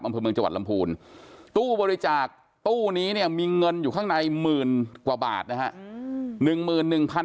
อำเภอเมืองจังหวัดลำพูนตู้บริจาคตู้นี้เนี่ยมีเงินอยู่ข้างในหมื่นกว่าบาทนะฮะ